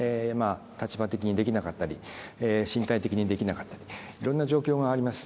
立場的にできなかったり身体的にできなかったりいろんな状況があります。